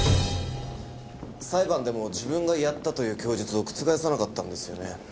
裁判でも自分がやったという供述を覆さなかったんですよね。